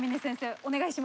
お願いします。